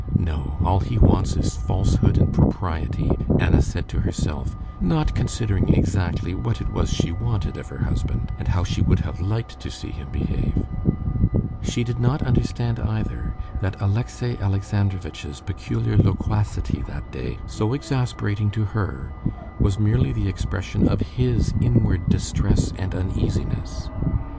No, all he wants is falsehood and propriety," Anna said to herself, not considering exactly what it was she wanted of her husband, and how she would have liked to see him behave. She did not understand either that Alexey Alexandrovitch's peculiar loquacity that day, so exasperating to her, was merely the expression of his inward distress and uneasiness.